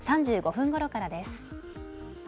３５分ごろからです。